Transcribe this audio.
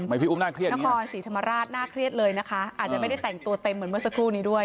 อาจจะไม่ได้แต่งตัวเต็มเหมือนเมื่อสักครู่นี้ด้วย